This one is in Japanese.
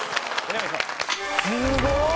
すごい！